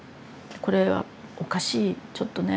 これはおかしいちょっとね。